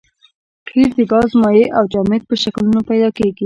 قیر د ګاز مایع او جامد په شکلونو پیدا کیږي